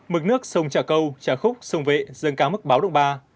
mực nước sông trà câu trà khúc sông vệ dâng cao mức báo động ba